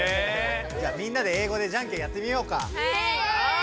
じゃあみんなで英語でじゃんけんやってみようか。